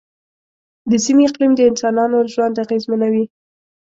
د سیمې اقلیم د انسانانو ژوند اغېزمنوي.